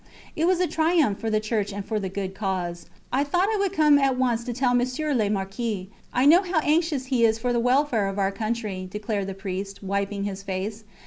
It was a triumph for the Church and for the good cause. I thought I would come at once to tell Monsieur le Marquis. I know how anxious he is for the welfare of our country, declared the priest, wiping his face.